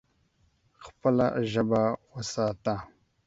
خپله ژبه وساته.